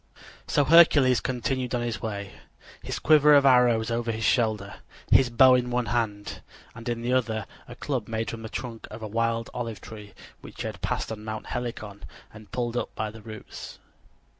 So Hercules continued on his way, his quiver of arrows over his shoulder, his bow in one hand, and in the other a club made from the trunk of a wild olive tree which he had passed on Mount Helicon and pulled up by the roots.